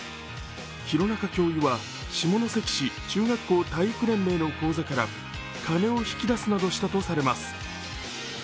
弘中教諭は下関市中学校体育連盟の口座から金を引き出すなどしたとされます。